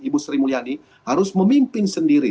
ibu sri mulyani harus memimpin sendiri